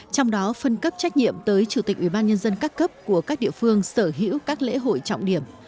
trong đó phân cấp trách nhiệm tới chủ tịch ubnd các cấp của các địa phương sở hữu các lễ hội trọng điểm